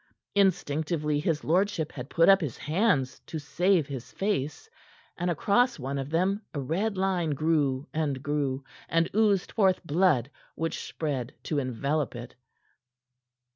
Instinctively his lordship had put up his hands to save his face, and across one of them a red line grew and grew and oozed forth blood which spread to envelop it.